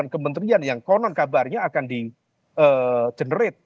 empat puluh delapan kementerian yang konon kabarnya akan di generate